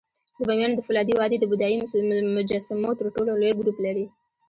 د بامیانو د فولادي وادي د بودایي مجسمو تر ټولو لوی ګروپ لري